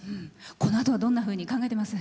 このあとはどんなふうに考えてます？